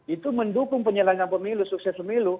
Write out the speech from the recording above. itu mendukung penyelenggaraan pemilu sukses pemilu